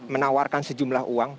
menawarkan sejumlah uang